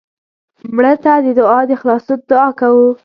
مړه ته د عذاب د خلاصون دعا کوو